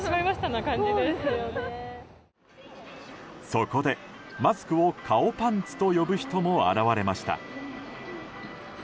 そこでマスクを顔パンツと呼ぶ人も現れました。